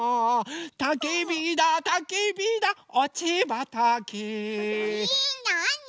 「たきびだたきびだおちばたき」えなあに？